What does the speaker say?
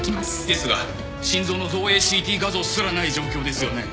ですが心臓の造影ＣＴ画像すらない状況ですよね？